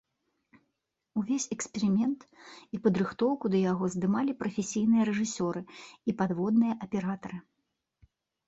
Увесь эксперымент і падрыхтоўку да яго здымалі прафесійныя рэжысёры і падводныя аператары.